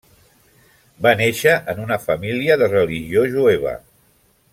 Va néixer en una família de religió jueva.